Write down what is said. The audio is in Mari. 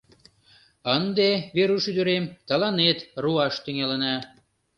— Ынде, Веруш ӱдырем, тыланет руаш тӱҥалына.